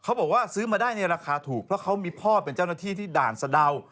บอกว่าซื้อมาได้ในราคาถูกเพราะเขามีพ่อเป็นเจ้าหน้าที่ที่ด่านสะดาว